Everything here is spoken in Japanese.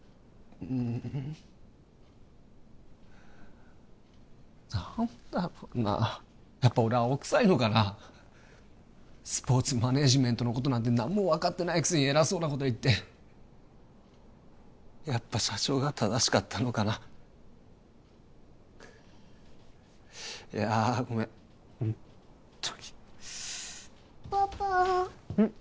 うん何だろうなやっぱ俺青臭いのかなスポーツマネージメントのことなんて何も分かってないくせに偉そうなこと言ってやっぱ社長が正しかったのかないやごめんホントにパパうん？